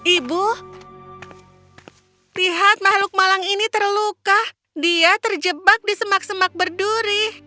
ibu lihat makhluk malang ini terluka dia terjebak di semak semak berduri